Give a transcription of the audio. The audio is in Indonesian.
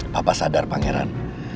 papa sadar pangeran